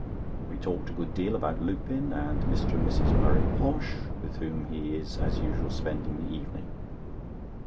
We talked a good deal about Lupin and Mr. and Mrs. Murray Posh, with whom he is as usual spending the evening.